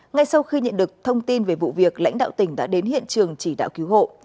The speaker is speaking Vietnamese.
ngay sau khi nhận được thông tin về vụ việc lãnh đạo tỉnh đã đến hiện trường chỉ đạo cứu hộ